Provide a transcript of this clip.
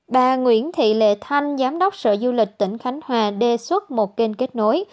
bà nguyễn thị lệ thanh giám đốc sở du lịch tỉnh khánh hòa đề xuất một kênh kết nối